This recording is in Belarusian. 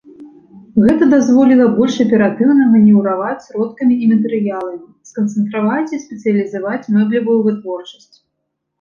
Гэта дазволіла больш аператыўна манеўраваць сродкамі і матэрыяламі, сканцэнтраваць і спецыялізаваць мэблевую вытворчасць.